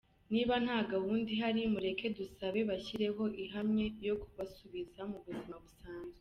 Niba nta gahunda ihari, mureke dusabe bashyireho ihamye yo kubasubiza mu buzima busanzwe.